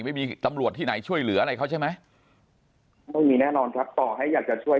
ไม่มีตำรวจที่ไหนช่วยเหลืออะไรเขาใช่ไหมไม่มีแน่นอนครับต่อให้อยากจะช่วย